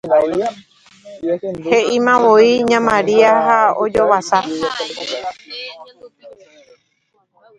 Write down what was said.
he'imavoi ña Maria ha ojovasa